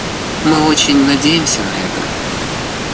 Мы очень надеемся на это.